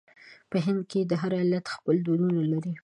په هند کې هر ایالت خپل دودونه لري.